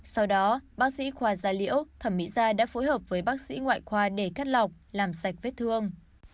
sau đó bác sĩ khoa gia liễu thẩm mỹ gia đã phối hợp với bác sĩ ngoại khoa để cắt lọc làm sạch vết thương